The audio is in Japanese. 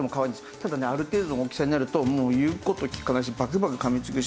ただねある程度の大きさになると言う事を聞かないしバクバク噛みつくし。